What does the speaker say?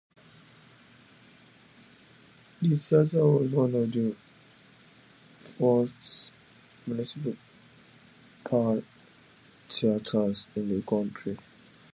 The theatre was one of the first municipal theatres in the country.